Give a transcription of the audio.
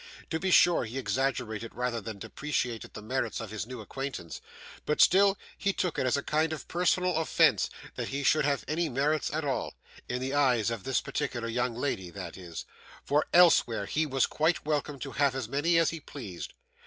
To be sure, he exaggerated rather than depreciated the merits of his new acquaintance; but still he took it as a kind of personal offence that he should have any merits at all in the eyes of this particular young lady, that is; for elsewhere he was quite welcome to have as many as he pleased.